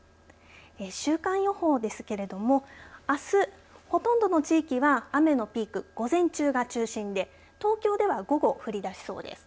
週間予報ですけれどもあす、ほとんどの地域は雨のピークは午前中が中心で東京では午後降り出しそうです。